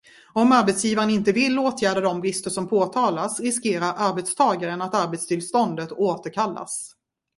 Om arbetsgivaren inte vill åtgärda de brister som påtalas riskerar arbetstagaren att arbetstillståndet återkallas.